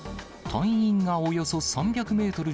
隊員がおよそ３００メートル